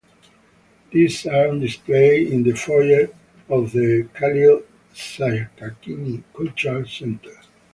These are on display in the foyer of the Khalil Sakakini Cultural Center.